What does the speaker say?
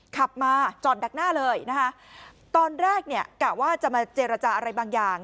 ขับมาจอดดักหน้าเลยนะคะตอนแรกเนี่ยกะว่าจะมาเจรจาอะไรบางอย่าง